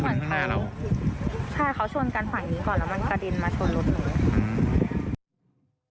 ข้างหน้าเราใช่เขาชนกันฝั่งนี้ก่อนแล้วมันกระเด็นมาชนรถหนู